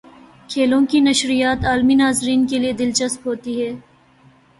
کھیلوں کی نشریات عالمی ناظرین کے لیے دلچسپ ہوتی ہیں۔